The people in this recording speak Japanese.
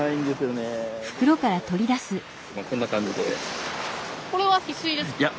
こんな感じで。